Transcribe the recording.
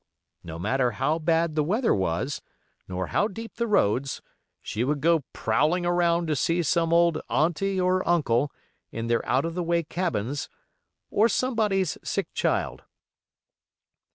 No matter how bad the weather was, nor how deep the roads, she would go prowling around to see some old "aunty" or "uncle", in their out of the way cabins, or somebody's sick child.